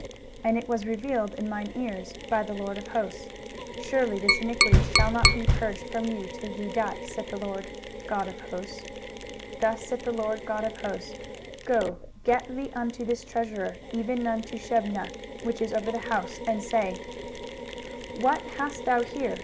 23:022:014 And it was revealed in mine ears by the LORD of hosts, Surely this iniquity shall not be purged from you till ye die, saith the Lord GOD of hosts. 23:022:015 Thus saith the Lord GOD of hosts, Go, get thee unto this treasurer, even unto Shebna, which is over the house, and say, 23:022:016 What hast thou here?